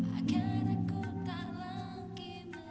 mas harus ganti